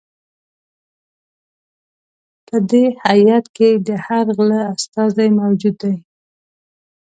په دې هیات کې د هر غله استازی موجود دی.